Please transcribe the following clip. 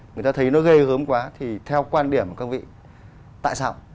người ta thấy nó ghê gớm quá thì theo quan điểm của các vị tại sao